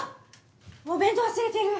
お弁当忘れてる！